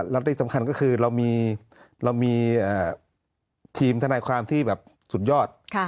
แล้วที่สำคัญก็คือเรามีทีมทนายความที่แบบสุดยอด